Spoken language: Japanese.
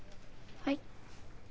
はい。